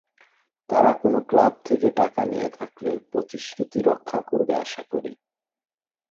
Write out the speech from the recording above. তারা কোনো ক্লাব থেকে টাকা নিয়ে থাকলে প্রতিশ্রুতি রক্ষা করবে আশা করি।